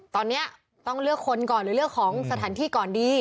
ตอนนี้ต้องเลือกคนก่อนหรือเลือกของสถานที่ก่อนดี